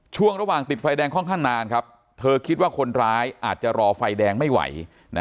ช่วงระหว่างติดไฟแดงค่อนข้างนานครับเธอคิดว่าคนร้ายอาจจะรอไฟแดงไม่ไหว